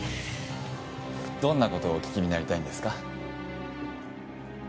どんなことをお聞きになりたいんですか？